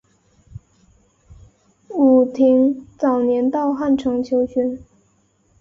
武亭早年到汉城求学。